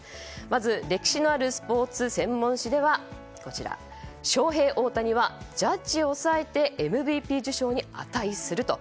まず、歴史のあるスポーツ専門誌ではショウヘイ・オオタニはジャッジを抑えてＭＶＰ受賞に値すると。